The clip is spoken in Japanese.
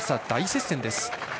大接戦です。